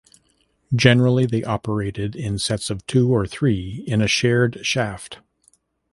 Generally they operated in sets of two or three in a shared shaft.